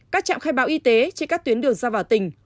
các trạm khai báo y tế trên các tuyến đường ra vào tỉnh